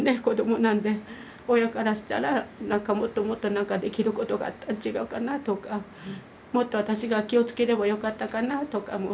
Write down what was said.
子供なんで親からしたら何かもっともっと何かできることがあったん違うかなとかもっと私が気をつければよかったかなとか。